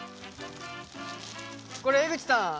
これ江口さん